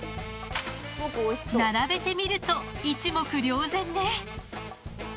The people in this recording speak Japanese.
並べてみると一目瞭然ね。